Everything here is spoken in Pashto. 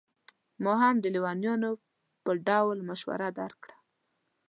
ما هم د لېونیانو په ډول مشوره درکړه.